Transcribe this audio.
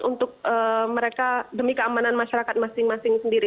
untuk mereka demi keamanan masyarakat masing masing sendiri